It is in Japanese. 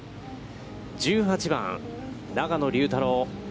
１８番、永野竜太郎。